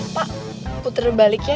pak puter balik ya